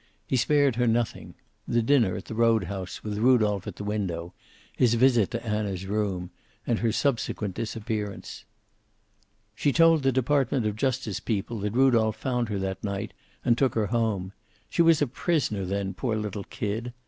He spared her nothing, the dinner at the road house with Rudolph at the window, his visit to Anna's room, and her subsequent disappearance. "She told the Department of Justice people that Rudolph found her that night, and, took her home. She was a prisoner then, poor little kid.